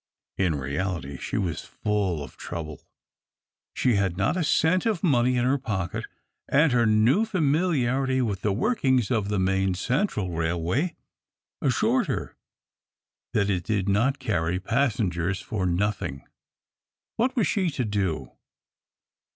In reality she was full of trouble. She had not a cent of money in her pocket, and her new familiarity with the workings of the Maine Central Railway assured her that it did not carry passengers for nothing. What was she to do?